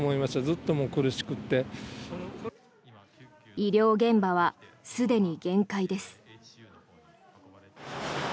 医療現場はすでに限界です。